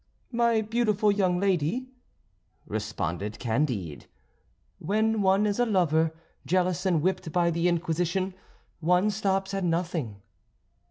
"My beautiful young lady," responded Candide, "when one is a lover, jealous and whipped by the Inquisition, one stops at nothing."